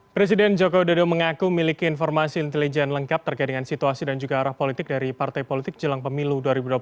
presiden joko widodo mengaku miliki informasi intelijen lengkap terkait dengan situasi dan juga arah politik dari partai politik jelang pemilu dua ribu dua puluh empat